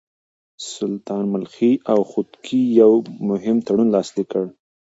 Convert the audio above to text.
سلطان ملخي او خودکي يو مهم تړون لاسليک کړ.